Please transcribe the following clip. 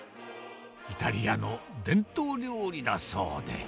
イタリアの伝統料理だそうで。